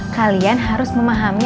kalian harus memahami